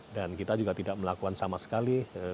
dan kita juga tidak melakukan sama sekali